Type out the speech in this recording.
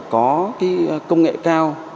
có cái công nghệ cao